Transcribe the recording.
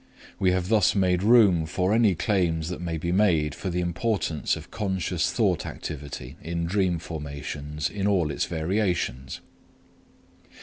We have thus made room for any claims that may be made for the importance of conscious thought activity in dream formations in all its variations.